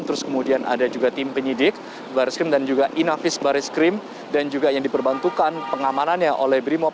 terus kemudian ada juga tim penyidik baris krim dan juga inavis baris krim dan juga yang diperbantukan pengamanannya oleh brimob